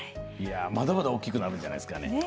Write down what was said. まだまだ大きくなるんじゃないんですかね。